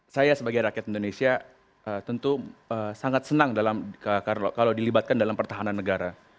saya sebagai rakyat indonesia tentu sangat senang kalau dilibatkan dalam pertahanan negara